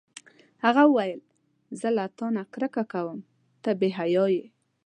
هغه وویل: زه له تا نه کرکه کوم، ته بې حیا یې.